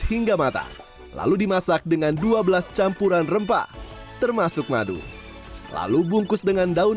hingga matang lalu dimasak dengan dua belas campuran rempah termasuk madu lalu bungkus dengan daun